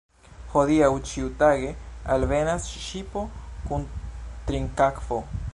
Hodiaŭ ĉiutage alvenas ŝipo kun trinkakvo.